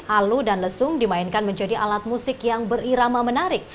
alu dan lesung dimainkan menjadi alat musik yang berirama menarik